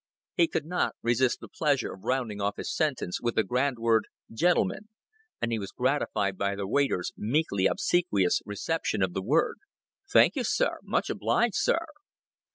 He could not resist the pleasure of rounding off his sentence with the grand word "Gentleman," and he was gratified by the waiter's meekly obsequious reception of the word. "Thank you, sir. Much obliged, sir."